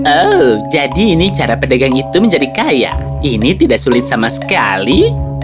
oh jadi ini cara pedagang itu menjadi kaya ini tidak sulit sama sekali